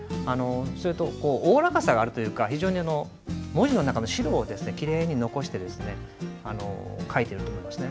それとおおらかさがあるというか非常に文字の中の白をきれいに残して書いていると思いますね。